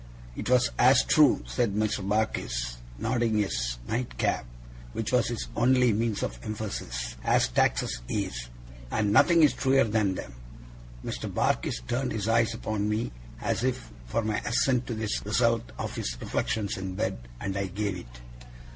It was as true,' said Mr. Barkis, nodding his nightcap, which was his only means of emphasis, 'as taxes is. And nothing's truer than them.' Mr. Barkis turned his eyes upon me, as if for my assent to this result of his reflections in bed; and I gave it.